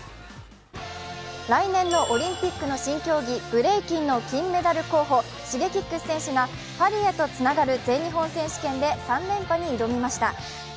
来年のオリンピックの新競技、ブレイキンの金メダル候補、Ｓｈｉｇｅｋｉｘ選手が、パリへとつながる全日本選手権で３連覇に挑みました